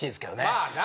まあな。